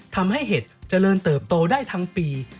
เห็ดเจริญเติบโตได้ทั้งปี